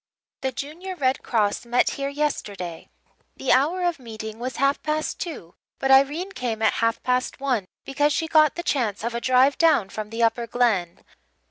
"The Junior Red Cross met here yesterday. The hour of meeting was half past two but Irene came at half past one, because she got the chance of a drive down from the Upper Glen.